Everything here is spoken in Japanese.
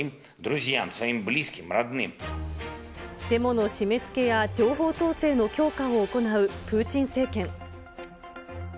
デモの締めつけや情報統制の強化を行うプーチン政権。